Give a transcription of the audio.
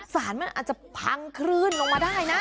สารมันอาจจะพังคลื่นลงมาได้นะ